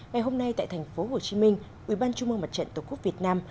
ngày hôm nay tại thành phố hồ chí minh ubnd tổ quốc việt nam